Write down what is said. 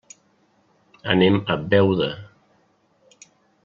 Anem a Beuda.